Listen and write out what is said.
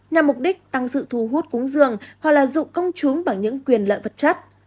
nhằm mục đích tăng sự thu hút cúng dường hoặc là dụ công chúng bằng những quyền lợi vật chất